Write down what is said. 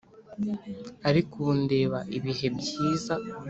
ariko ubu ndeba ibihe byiza